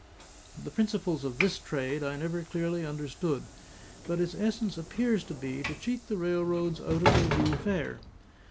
The principles of this trade I never clearly understood; but its essence appears to be to cheat the railroads out of their due fare.